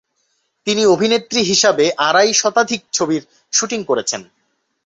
তিনি অভিনেত্রী হিসাবে আড়াই শতাধিক ছবির শুটিং করেছেন।